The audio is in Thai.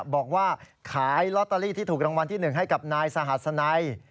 บอกว่าขายลอตเตอรี่ที่ถูกรางวัลที่๑ให้กับนายสหัสนัย